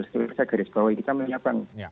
setelah garis bawah kita menyiapkan